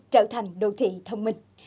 trở thành đô thị thông minh